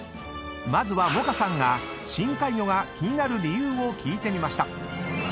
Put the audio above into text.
［まずは萌歌さんが深海魚が気になる理由を聞いてみました］